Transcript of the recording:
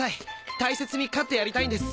大切に飼ってやりたいんです